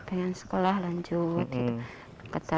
pengen sekolah lanjut